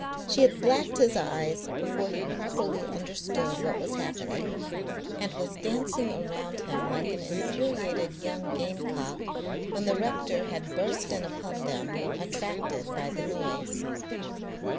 She had blacked his eyes before he properly understood what was happening, and was dancing around him like an infuriated young gamecock when the rector had burst in upon them, attracted by the noise.